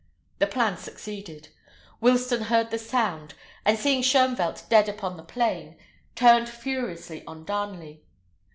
The plan succeeded. Wilsten heard the sound; and seeing Shoenvelt dead upon the plain, turned furiously on Darnley.